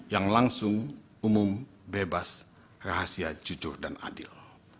yang langsung umum bebas rahasia jujur dan adil